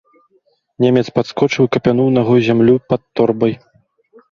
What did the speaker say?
Немец падскочыў і капянуў нагой зямлю пад торбай.